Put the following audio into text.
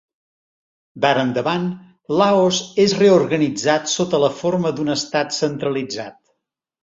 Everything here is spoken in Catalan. D'ara endavant, Laos és reorganitzat sota la forma d'un Estat centralitzat.